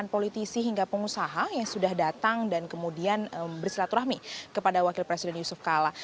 politisi hingga pengusaha yang sudah datang dan kemudian bersilaturahmi kepada wakil presiden yusuf kala